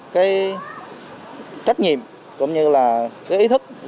cái trách nhiệm cũng như là cái ý thức